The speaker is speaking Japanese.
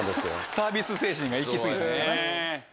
サービス精神が行き過ぎたのかな。